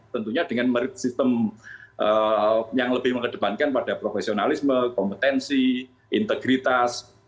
tentunya dengan merit sistem yang lebih mengedepankan pada profesionalisme kompetensi integritas